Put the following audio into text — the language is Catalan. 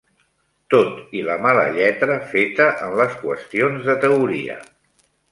...tot i la mala lletra feta en les qüestions de teoria